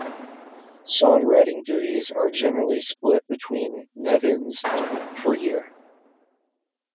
Songwriting duties are generally split between Nevins and Puryear.